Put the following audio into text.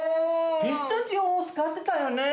ピスタチオを使ってたよね。